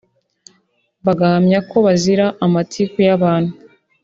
bagahamya ko bazira amatiku y'abantu